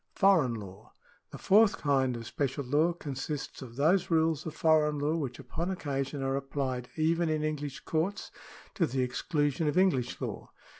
Foreign laiv. — The fourth kind of special law consists of those rules of foreign law, which upon occasion are applied even in English courts to the exclusion of English law.